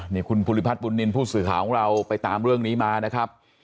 นี่คุณภูริพัฒนบุญนินทร์ผู้สื่อข่าวของเราไปตามเรื่องนี้มานะครับ